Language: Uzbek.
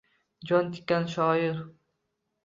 Jon tikkan shoir